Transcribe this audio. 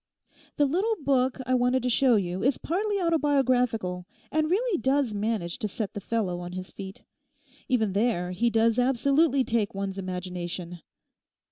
The little book I wanted to show you is partly autobiographical and really does manage to set the fellow on his feet. Even there he does absolutely take one's imagination.